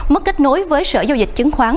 mất kết nối với sở giao dịch chứng khoán